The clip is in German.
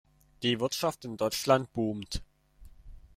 Die Wirtschaft in Deutschland boomt.